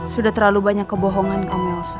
sudah terlalu banyak kebohongan kamu elsa